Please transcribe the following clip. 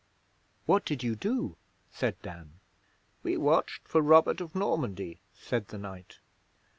'What did you do?' said Dan. 'We watched for Robert of Normandy,' said the knight.